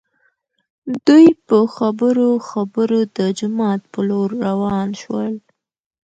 دوي په خبرو خبرو د جومات په لور راوان شول.